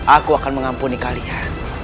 aku akan mengampuni kalian